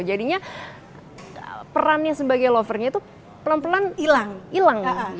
jadinya perannya sebagai lovernya tuh pelan pelan hilang